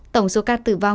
tổng số ca tử vong